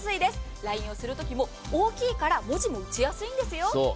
ＬＩＮＥをするときも大きいから文字も打ちやすいんですよ。